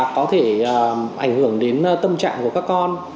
có thể ảnh hưởng đến tâm trạng của các con